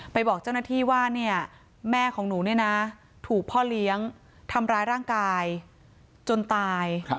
บอกเจ้าหน้าที่ว่าแม่ของหนูเนี่ยนะถูกพ่อเลี้ยงทำร้ายร่างกายจนตาย